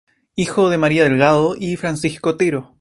Hijo de María Delgado y de Francisco Otero.